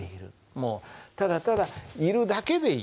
もうただただいるだけでいい。